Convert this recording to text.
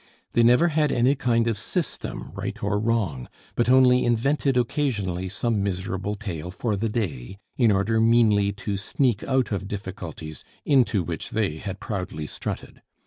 They never had any kind of system, right or wrong; but only invented occasionally some miserable tale for the day, in order meanly to sneak out of difficulties into which they had proudly strutted.